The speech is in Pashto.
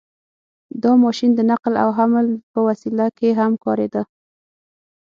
• دا ماشین د نقل او حمل په وسایلو کې هم کارېده.